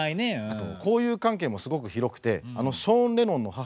あと交友関係もすごく広くてあのショーン・レノンの母